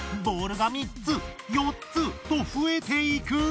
ボールが３つ４つと増えていく。